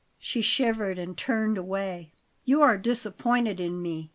She shivered and turned away. "You are disappointed in me?"